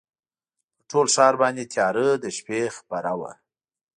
پر ټول ښار باندي تیاره د شپې خپره وه